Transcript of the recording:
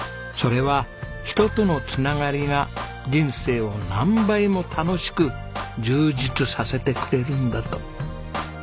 それは人との繋がりが人生を何倍も楽しく充実させてくれるんだと。